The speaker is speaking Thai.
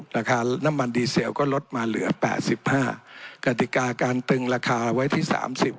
ราคาน้ำมันดีเซลก็ลดมาเหลือแปดสิบห้ากติกาการตึงราคาไว้ที่สามสิบ